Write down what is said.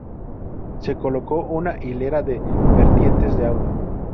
Se colocó una hilera de vertientes de agua.